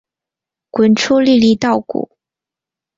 滚出粒粒稻谷